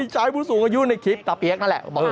ใจผู้สูงอายุในคลิปตาเปี๊ยกนั่นแหละ